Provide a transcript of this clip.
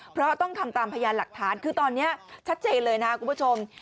เพราะต้องทำตามพยานหลักฐานคือตอนนี้ชัดเจนเลยนะครับคุณผู้ชม